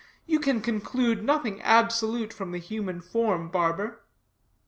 You can conclude nothing absolute from the human form, barber."